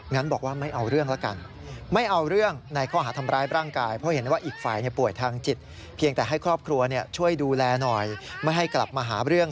งั้นบอกว่าไม่เอาเรื่องแล้วกัน